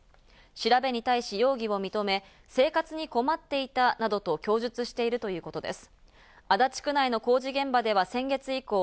調べに対し容疑を認め、生活に困っていたなどと供述しているということです。